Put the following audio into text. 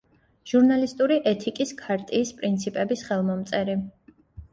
ჟურნალისტური ეთიკის ქარტიის პრინციპების ხელმომწერი.